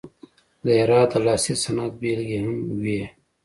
د هرات د لاسي صنعت بیلګې هم وې.